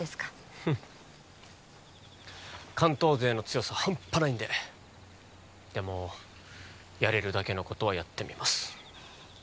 フッ関東勢の強さハンパないんででもやれるだけのことはやってみます